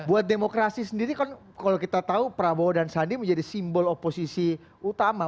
buat demokrasi sendiri kan kalau kita tahu prabowo dan sandi menjadi simbol oposisi utama